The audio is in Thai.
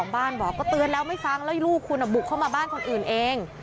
บ้านบอกก็เตือนแล้วไม่ฟังแล้วลูกคุณบุกเข้ามาบ้านคนอื่นเอง